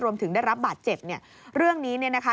รวมถึงได้รับบาดเจ็บเนี่ยเรื่องนี้เนี่ยนะคะ